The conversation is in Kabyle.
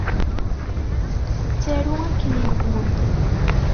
Tettaru akken iqwem.